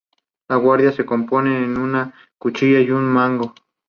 La guadaña se compone de una cuchilla y un mango.